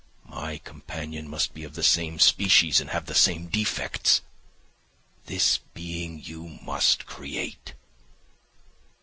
My companion must be of the same species and have the same defects. This being you must create."